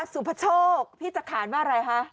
พี่ประโชคพี่จัดขารมาอะไรฮะ